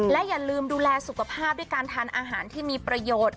และอย่าลืมดูแลสุขภาพด้วยการทานอาหารที่มีประโยชน์